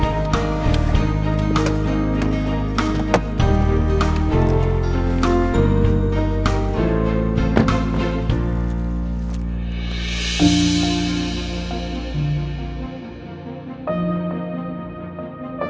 ini adalah panjang